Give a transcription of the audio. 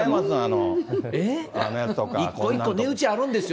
一個一個、値打ちあるんですよ。